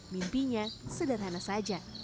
mimpinya sederhana saja